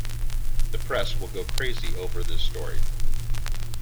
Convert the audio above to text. The press will go crazy over this story.